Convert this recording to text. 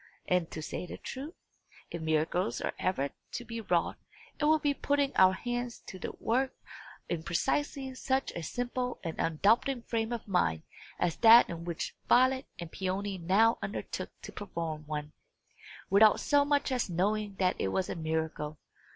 And, to say the truth, if miracles are ever to be wrought, it will be by putting our hands to the work in precisely such a simple and undoubting frame of mind as that in which Violet and Peony now undertook to perform one, without so much as knowing that it was a miracle.